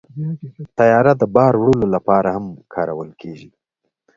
طیاره د بار وړلو لپاره هم کارول کېږي.